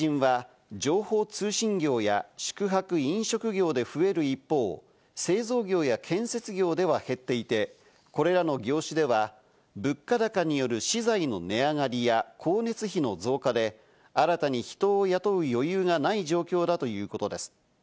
求人は情報通信業や宿泊・飲食業で増える一方、製造業や建設業では減っていて、これらの業種では物価高による資材の値上がりや光熱費の増加で新たに人を雇う余裕がない状況だということです。